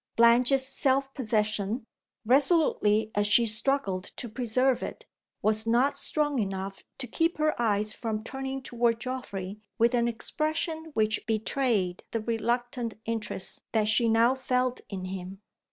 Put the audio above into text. Blanche's self possession, resolutely as she struggled to preserve it, was not strong enough to keep her eyes from turning toward Geoffrey with an expression which betrayed the reluctant interest that she now felt in him.